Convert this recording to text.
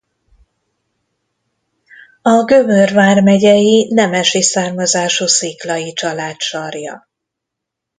A Gömör vármegyei nemesi származású Sziklay család sarja.